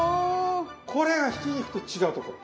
これがひき肉と違うところ。